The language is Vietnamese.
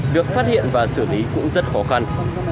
được phát hiện và xử lý cũng rất khó khăn